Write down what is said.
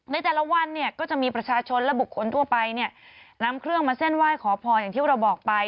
ในแต่ละวันเนี่ยก็จะมีประชาชนและบุคคลทั่วไปเนี่ยนำเครื่องมาเส้นไหว้ขอพรอย่างที่เราบอกไป